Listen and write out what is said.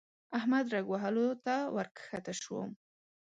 احمد رګ وهلو ته ورکښته شو.